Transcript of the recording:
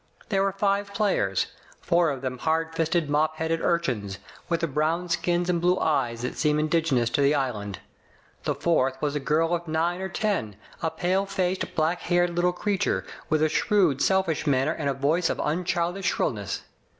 There were five players, four of them hard fisted, mop headed urchins, with the brown skins and blue eyes that seem indigenous to the island. The fourth was a girl of nine or ten, a pale faced, black haired little creature, with a shrewd, selfish manner and a voice of unchildish shrillness.